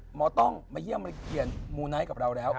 หมอต้องมาเยี่ยมมาเขียนมูไนท์กับเราแล้ว